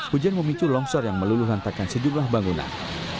hujan memicu longsor yang meluluh lantakan sejumlah bangunan